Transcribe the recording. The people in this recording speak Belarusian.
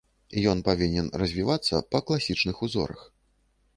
Ён павінен развівацца па класічных узорах.